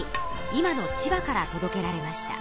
今の千葉からとどけられました。